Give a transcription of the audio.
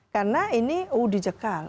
karena ini oh dicekal